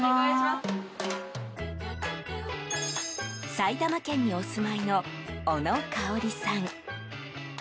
埼玉県にお住まいの小野カオリさん。